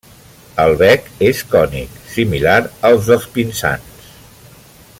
El bec és cònic, similar al dels pinsans.